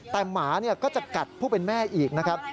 แต่หมาก็จะกัดผู้เป็นแม่อีกนะครับ